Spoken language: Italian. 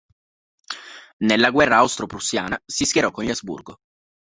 Nella Guerra Austro-Prussiana, si schierò con gli Asburgo.